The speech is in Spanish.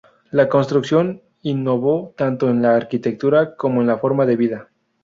La construcción innovó tanto en la arquitectura como en la forma de vida.